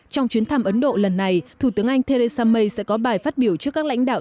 trong chuyến thăm ấn độ lần này thủ tướng anh theresa may sẽ có bài phát biểu trước các lãnh đạo